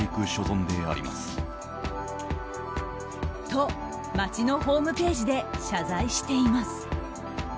と、町のホームページで謝罪しています。